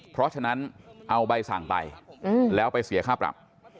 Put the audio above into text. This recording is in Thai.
เพราะฉะนั้นเอาใบสั่งไปแล้วไปเสียค่าปรับ